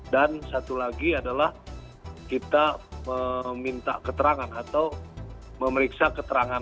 dan satu lagi adalah kita meminta keterangan atau memeriksa keterangan